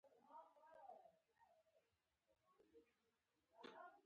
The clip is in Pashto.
په لابراتوارونو کې د وینې او حجرو تحلیل زده کوي.